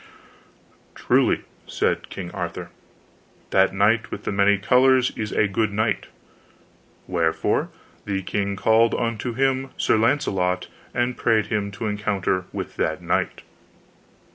Truly, said King Arthur, that knight with the many colors is a good knight. Wherefore the king called unto him Sir Launcelot, and prayed him to encounter with that knight.